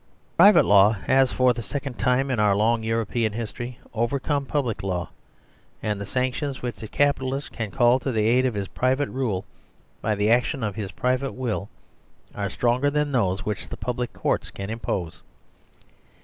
Private law has for the second time in our long European story overcome public law, and thesanctions which the Capitalist can call to the aid of his private rule, by the action of his private will, are stronger than those which the public Courts can impose.